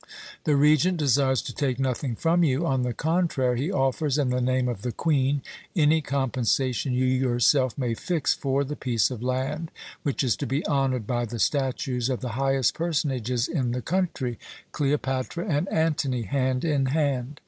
The Regent desires to take nothing from you. On the contrary, he offers, in the name of the Queen, any compensation you yourself may fix for the piece of land which is to be honoured by the statues of the highest personages in the country Cleopatra and Antony, hand in hand.